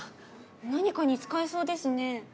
何かに使えそうですね。